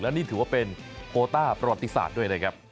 นี่ถือว่าเป็นโคต้าประวัติศาสตร์ด้วยนะครับ